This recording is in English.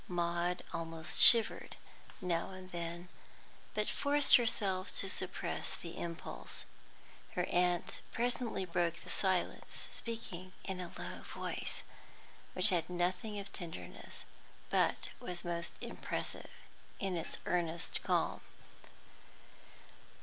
Maud almost shivered now and then, but forced herself to suppress the impulse. Her aunt presently broke the silence, speaking in a low voice, which had nothing of tenderness, but was most impressive in its earnest calm.